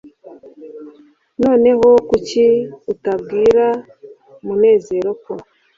noneho kuki utabwira munezero ko